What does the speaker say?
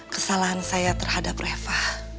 kesalahan saya terhadap reva